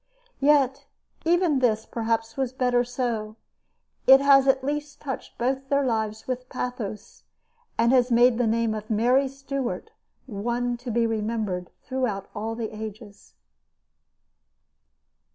Yet, even this, perhaps, was better so. It has at least touched both their lives with pathos and has made the name of Mary Stuart one to be remembered throughout all the ages.